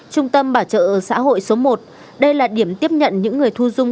trung tâm bảo trợ xã hội số một đây là điểm tiếp nhận những người thu dung